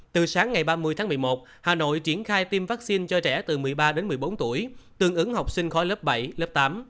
từ sáng ngày ba mươi tháng một mươi một hà nội triển khai tiêm vaccine cho trẻ từ một mươi ba đến một mươi bốn tuổi tương ứng học sinh khỏi lớp bảy lớp tám